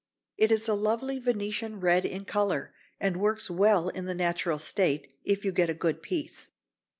It is a lovely Venetian red in colour, and works well in the natural state, if you get a good piece.